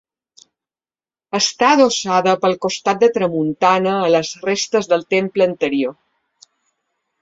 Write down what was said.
Està adossada pel costat de tramuntana a les restes del temple anterior.